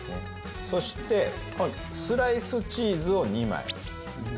そしてスライスチーズを２枚横に。